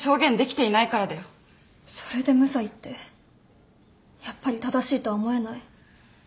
それで無罪ってやっぱり正しいとは思えない。